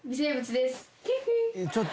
ちょっと。